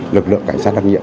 lực lượng cảnh sát đặc nhiệm